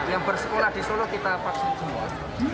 yang bersekolah di solo kita vaksin semua